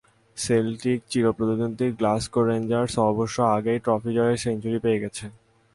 সেল্টিকের চিরপ্রতিদ্বন্দ্বী Glasgow Rangers অবশ্য আগেই ট্রফি জয়ের সেঞ্চুরি পেয়ে গেছে।